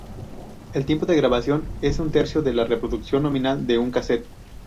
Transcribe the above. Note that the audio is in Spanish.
El tiempo de grabación es un tercio de la reproducción nominal de un casete.